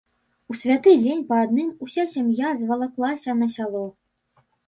У святы дзень па адным уся сям'я звалаклася на сяло.